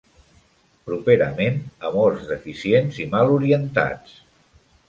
Properament, amors deficients i mal orientats.